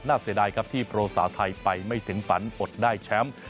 เสียดายครับที่โปรสาวไทยไปไม่ถึงฝันอดได้แชมป์